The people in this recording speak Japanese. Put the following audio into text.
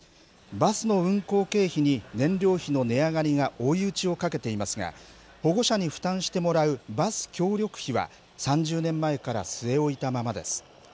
バスの運行経費に燃料費の値上がりが追い打ちをかけていますが、保護者に負担してもらうバス協力費は、３０年前から据え置いたままです。